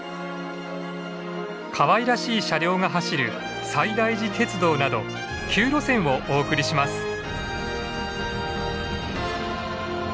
かわいらしい車両が走る西大寺鉄道など９路線をお送りします。